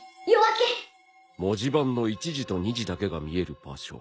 文字盤の１時と２時だけが見える場所